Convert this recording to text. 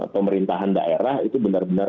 pemerintahan daerah itu benar benar